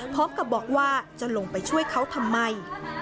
พร้อมกับบอกว่าจะลงไปช่วยเขาทำไม